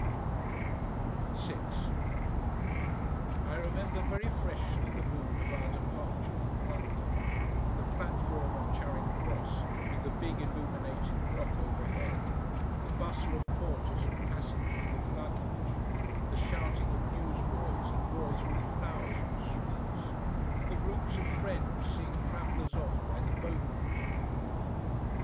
6 I remember very freshly the mood of our departure from London, the platform of Charing Cross with the big illuminated clock overhead, the bustle of porters and passengers with luggage, the shouting of newsboys and boys with flowers and sweets, and the groups of friends seeing travellers off by the boat train.